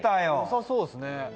「よさそうですね」